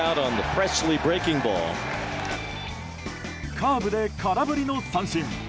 カーブで空振りの三振。